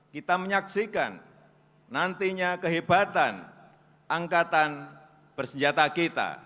kita menyaksikan nantinya kehebatan angkatan bersenjata kita